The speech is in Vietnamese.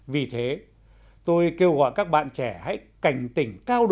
vì thế tôi kêu gọi các bạn trẻ hãy cảnh tỉnh cao